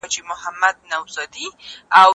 هغوی باید د خپلو بوټانو د پاکولو عادت ولري.